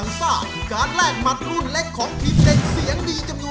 อุ้มกระดาษหน้าพูดก็ไม่เชียวไม่เชียวไม่เชียว